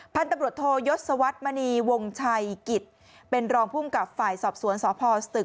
พันธุ์ตำรวจโทยศวรรษมณีวงชัยกิจเป็นรองภูมิกับฝ่ายสอบสวนสพสตึก